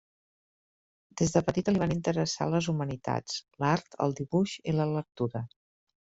Des de petita li van interessar les humanitats, l'art, el dibuix i la lectura.